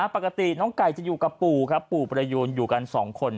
ปกติน้องไก่จะอยู่กับปู่ปรยูนอยู่กัน๒คน